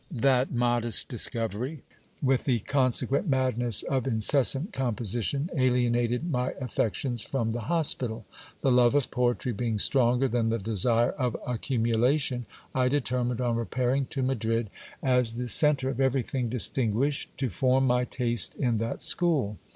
That modest discovery, with the consequent madness of incessant composition, alienated my affections from the hospital. The love of poetry being stronger than the desire of accumulation, I determined on repairing to Madrid, as the centre of everything distinguished, to form my taste in that school.